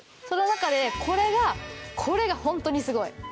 その中でこれがこれがホントにすごい！